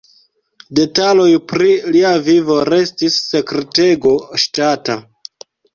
Detaloj pri lia vivo restis sekretego ŝtata.